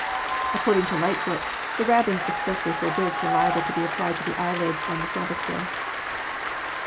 According to Lightfoot, the Rabbins expressly forbid saliva to be applied to the eyelids on the Sabbath day.